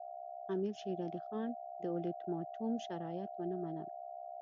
امیر شېر علي خان د اولټیماټوم شرایط ونه منل.